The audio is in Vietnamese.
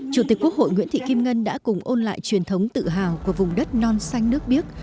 chủ tịch quốc hội nguyễn thị kim ngân đã cùng ôn lại truyền thống tự hào của vùng đất non xanh nước biếc